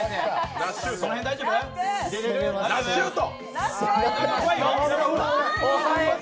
ナッシュート！